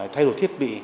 thay đổi thiết bị